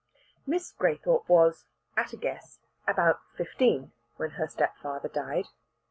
Miss Graythorpe was, at a guess, about fifteen when her stepfather died.